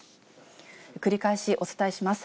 繰り返しお伝えします。